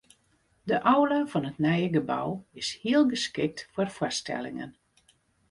De aula fan it nije gebou is hiel geskikt foar foarstellingen.